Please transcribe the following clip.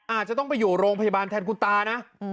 อาจจะต้องไปอยู่โรงพยาบาลแทนคุณตานะ